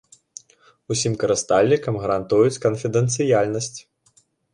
Усім карыстальнікам гарантуюць канфідэнцыяльнасць.